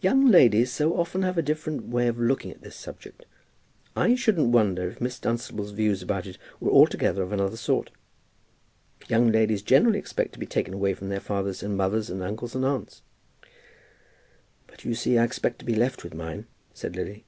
"Young ladies so often have a different way of looking at this subject. I shouldn't wonder if Miss Dunstable's views about it were altogether of another sort. Young ladies generally expect to be taken away from their fathers and mothers, and uncles and aunts." "But you see I expect to be left with mine," said Lily.